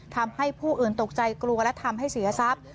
ทำให้ผู้อื่นตกใจกลัวและทำให้เสียทรัพย์